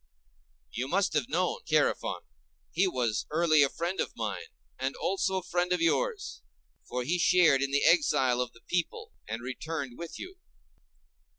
You must have known Chærephon; he was early a friend of mine, and also a friend of yours, for he shared in the exile of the people, and returned with you.